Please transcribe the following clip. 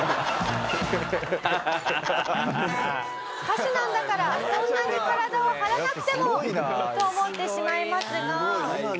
歌手なんだからそんなに体を張らなくてもと思ってしまいますが。